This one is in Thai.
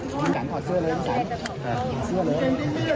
ซึ่งหากาหนอกเสื้อเลยไม่สน